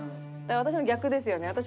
だから私の逆ですよね。